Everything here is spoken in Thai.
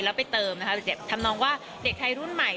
แล้วไปเติมนะคะทำนองว่าเด็กไทยรุ่นใหม่